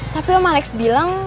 tapi lu malek sebilang